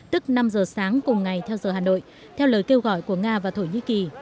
tức năm giờ sáng cùng ngày theo giờ hà nội theo lời kêu gọi của nga và thổ nhĩ kỳ